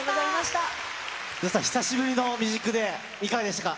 どうですか、久しぶりのＭＵＳＩＣＤＡＹ、いかがでしたか？